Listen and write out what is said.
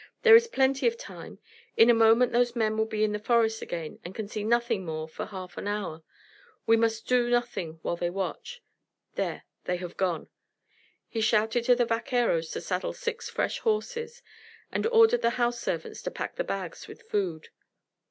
"There is plenty of time. In a moment those men will be in the forest again and can see nothing more for half an hour. We must do nothing while they watch there! they have gone." He shouted to the vaqueros to saddle six fresh horses, and ordered the house servants to pack the bags with food.